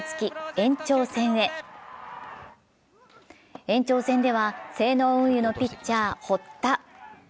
延長戦では西濃運輸のピッチャー・堀田。